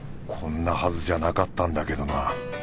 こんなはずじゃなかったんだけどな